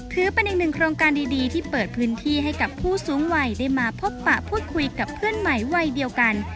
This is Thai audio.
ถือเป็นอีกหนึ่งโครงการดีที่เปิดพื้นที่ให้กับผู้สูงวัยได้มาพบปะพูดคุยกับเพื่อนใหม่วัยเดียวกัน